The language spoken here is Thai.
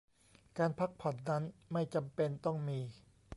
การพักผ่อนนั้นไม่จำเป็นต้องมี